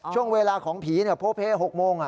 ช่วงเวลาของผีโพเพ๖โมง